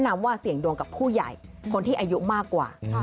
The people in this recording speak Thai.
นำว่าเสี่ยงดวงกับผู้ใหญ่คนที่อายุมากกว่า